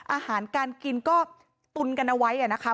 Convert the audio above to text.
อาหารการกินก็ตุนกันเอาไว้นะคะ